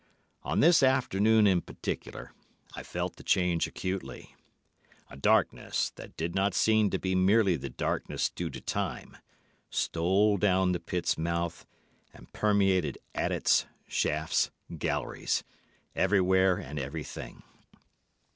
"On this afternoon in particular I felt the change acutely. A darkness, that did not seem to be merely the darkness due to time, stole down the pit's mouth and permeated adits, shafts, galleries—everywhere and everything.